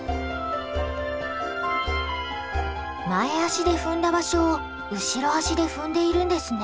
前足で踏んだ場所を後ろ足で踏んでいるんですね。